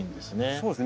そうですね。